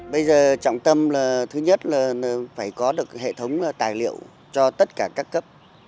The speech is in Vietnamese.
bây giờ trọng tâm là thứ nhất là phải có được hệ thống tài liệu cho tất cả các cấp